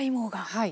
はい。